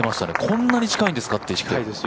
こんなに近いんですかって。